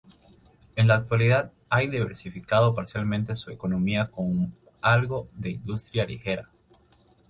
En la actualidad ha diversificado parcialmente su economía con algo de industria ligera.